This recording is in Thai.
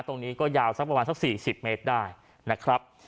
ตรงนี้ก็ยาวสักประมาณสัก๔๐เมตรได้นะครับ